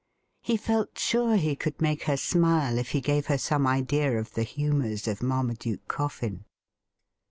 He felt sure he could make her smile if he gave her some idea of the humours of Marma duke Coffin.